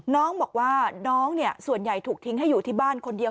น้องบอกว่าน้องส่วนใหญ่ถูกทิ้งให้อยู่ที่บ้านคนเดียว